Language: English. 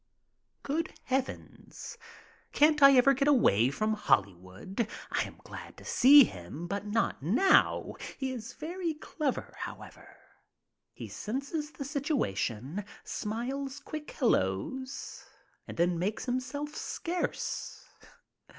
Good heav ens! Can't I ever get away from Hollywood? I am glad to see him, but not now. He is very clever, however. He senses the situation, smiles quick "hellos," and then makes himself scarce.